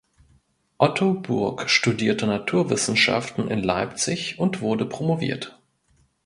Otto Burg studierte Naturwissenschaften in Leipzig und wurde promoviert.